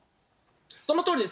そのとおりです。